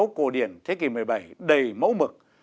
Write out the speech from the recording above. nếu sân khấu cổ điển thế kỷ một mươi bảy đầy mẫu mực